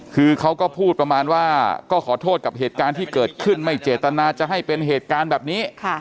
คือเขาก็พูดประมาณว่าก็ขอโทษกับเหตุการณ์ที่เกิดขึ้นไม่เจตนาจะให้เป็นเหตุการณ์แบบนี้